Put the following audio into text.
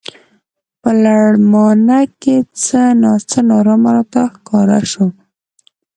په لړمانه کې څه نا څه نا ارامه راته ښکاره شو.